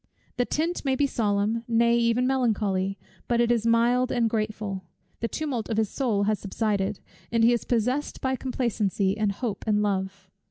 The tint may be solemn, nay even melancholy, but it is mild and grateful. The tumult of his soul has subsided, and he is possessed by complacency, and hope, and love.